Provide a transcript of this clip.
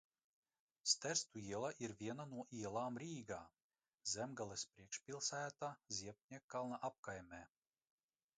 Stērstu iela ir viena no ielām Rīgā, Zemgales priekšpilsētā, Ziepniekkalna apkaimē.